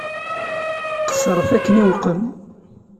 Qeṣṣṛet akken iqwem.